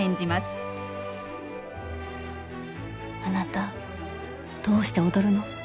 あなたどうして踊るの？